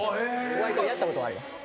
やったことあります。